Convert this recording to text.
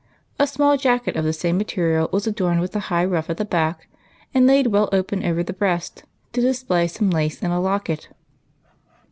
A small jacket of the same material was adorned with a high ruff at the back, and laid well open over the breast, to display some lace and a locket.